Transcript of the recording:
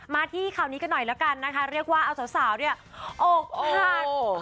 มาที่ข่าวนี้กันหน่อยแล้วกันนะคะเรียกว่าเอาสาวเนี่ยอกหัก